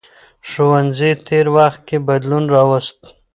ښوونځي تېر وخت کې بدلون راوست.